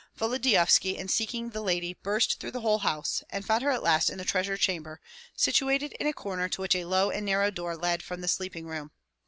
Volodyovski in seeking the lady burst through the whole house, and found her at last in the treasure chamber situated in a corner to which a low and narrow door led from the sleeping room.